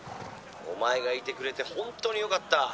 「お前がいてくれて本当によかった」。